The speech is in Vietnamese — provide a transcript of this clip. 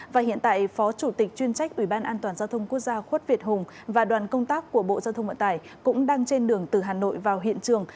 và hiện tại phó chủ tịch chuyên trách ủy ban an toàn giao thông quốc gia khuất việt hùng